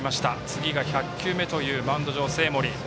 次が１００球目というマウンド上の生盛。